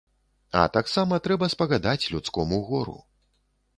А таксама трэба спагадаць людскому гору.